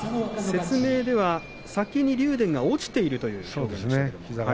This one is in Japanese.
説明では先に竜電が落ちているという。